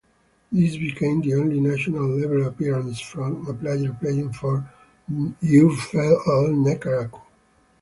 This became the only national-level appearance from a player playing for VfL Neckarau.